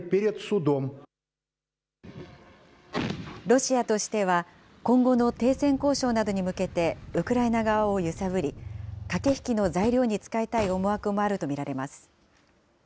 ロシアとしては、今後の停戦交渉などに向けて、ウクライナ側を揺さぶり、駆け引きの材料に使いたい思惑もあると見られます。